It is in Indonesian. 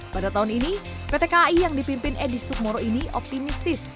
pada tahun ini pt kai yang dipimpin edi sukmoro ini optimistis